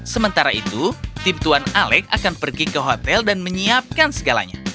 sementara itu tim tuan alec akan pergi ke hotel dan menyiapkan segalanya